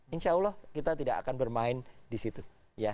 insya allah kita tidak akan bermain di situ